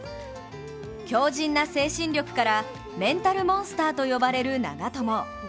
強じんな精神力からメンタルモンスターと呼ばれる長友。